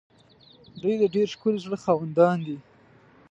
دوی د ډېر ښکلي زړه خاوندان دي.